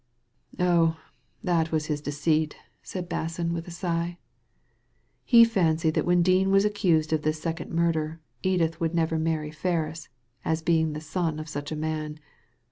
" "Oh, that was his deceit," said Basson, with a sigh. "He fancied that when Dean was accused of this second murder Edith would never marry Ferris, as being the son of such a man.